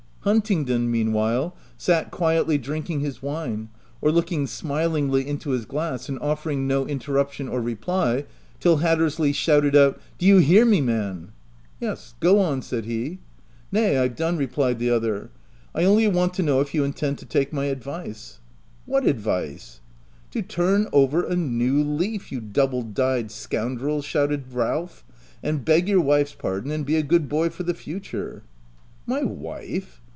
Huntingdon meanwhile, sat quietly drinking his wine, or looking smilingly into his glass and offering no interruption or reply, till Hattersley shouted out, —"' Do you hear me, man ?'"' Yes, go on/ said he. "' Nay, I've done," replied the other : f I only want to know if you intend to take my advice.' "< What advice ?'"' To turn over a new leaf, you double died scoundrel/ shouted Ralph, < and beg your wife's pardon, and be a good boy for the fu ture/ "< My wife!